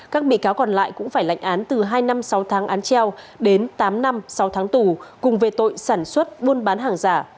các bị cáo còn lại cũng phải lệnh án từ hai năm sáu tháng án treo đến tám năm sáu tháng tù cùng về tội sản xuất buôn bán hàng giả